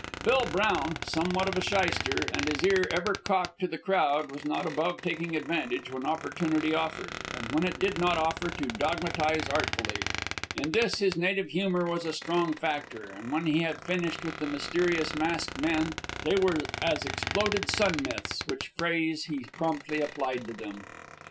Bill Brown, somewhat of a shyster, and his ear ever cocked to the crowd, was not above taking advantage when opportunity offered, and when it did not offer, to dogmatize artfully. In this his native humor was a strong factor, and when he had finished with the mysterious masked men they were as exploded sun myths, which phrase he promptly applied to them.